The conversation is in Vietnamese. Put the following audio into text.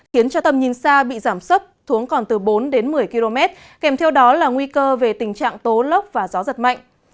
khiến cho tầm nhìn xa bị giảm thấp xuống còn từ bốn đến một mươi km kèm theo đó là nguy cơ về tình trạng tố lốc và gió giật mạnh